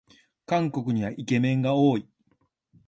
韓国にはイケメンが多い